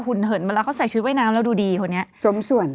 หุ่นเหินเมื่อละเขาใส่ชุดว่ายน้ำแล้วดูดีหัวเนี้ยจมส่วน